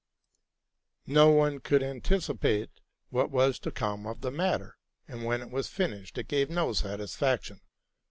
No one could anticipate what was to come of the matter, and when it was finished it gave no satisfaction.